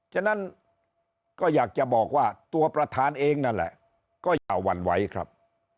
ฉะนั้นก็อยากจะบอกว่าตัวประธานเองนั่นแหละก็อย่าหวั่นไหวครับ